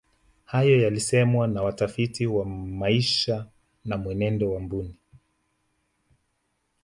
hayo yalisemwa na watafiti wa maisha na mwenendo wa mbuni